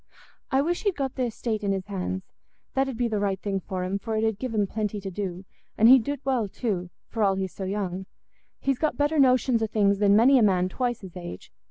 I wish he'd got th' estate in his hands; that 'ud be the right thing for him, for it 'ud give him plenty to do, and he'd do't well too, for all he's so young; he's got better notions o' things than many a man twice his age.